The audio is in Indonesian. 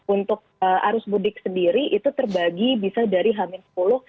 untuk arus mudik sendiri itu terbagi bisa dari hamin sepuluh